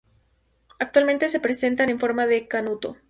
Actualmente, se presentan en forma de canuto.